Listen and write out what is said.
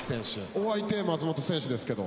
お相手松本選手ですけど。